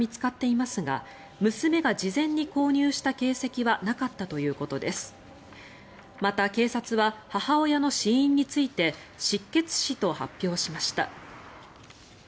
また、警察は母親の死因について失血死と発表しました。